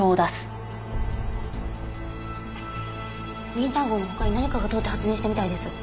ウィンター号の他に何かが通って発電したみたいです。